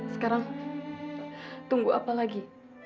sekarang tunggu apa lagi